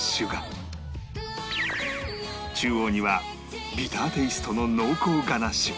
中央にはビターテイストの濃厚ガナッシュ